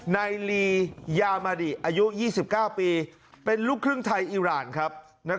ในลียามาดิอายุ๒๙ปีเป็นลูกครึ่งไทยอิราณครับ